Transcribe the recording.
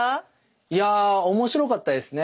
いや面白かったですね。